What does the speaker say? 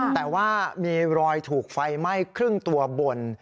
แต่ว่ามีรอยถูกไฟไหม้ครึ่งตัวบน